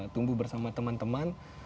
tumbuh bersama teman teman